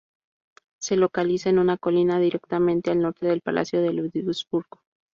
Se localiza en una colina, directamente al norte del palacio de Ludwigsburg.